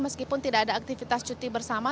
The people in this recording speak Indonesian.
meskipun tidak ada aktivitas cuti bersama